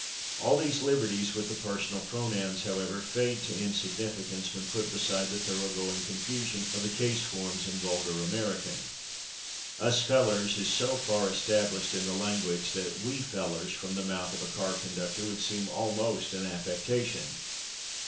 All these liberties with the personal pronouns, however, fade to insignificance when put beside the thoroughgoing confusion of the case forms in vulgar American. "/Us/ fellers" is so far established in the language that "/we/ fellers," from the mouth of a car conductor, would seem almost an affectation.